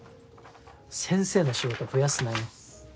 先生の仕事増やすなよ。